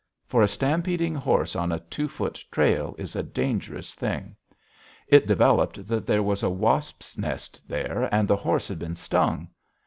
For a stampeding horse on a two foot trail is a dangerous thing. It developed that there was a wasp's nest there, and the horse had been stung.